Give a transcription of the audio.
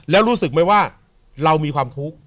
แล้วรู้สึกไหมว่าเรามีความทุกข์